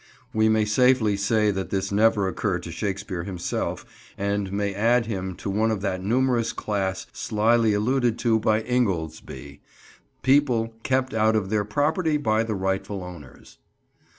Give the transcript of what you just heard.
We may safely say that this never occurred to Shakespeare himself, and may add him to one of that numerous class slyly alluded to by Ingoldsby; people "kept out of their property by the rightful owners."